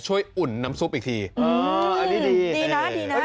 ช่วยอุ่นน้ำซุปอีกทีอ๋ออันนี้ดีดีนะดีนะ